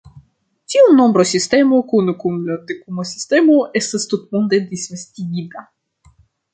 Tiu nombrosistemo, kune kun la Dekuma sistemo, estas tutmonde disvastigita.